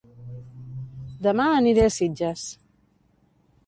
Dema aniré a Sitges